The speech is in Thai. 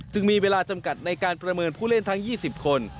มีเวลาจำกัดในการประเมินผู้เล่นทั้ง๒๐คน